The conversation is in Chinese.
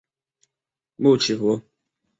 穆奇福。